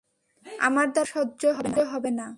আমার দ্বারা এসব সহ্য হবে না।